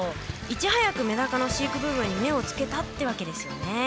いち早くメダカの飼育ブームに目をつけたってわけですよね。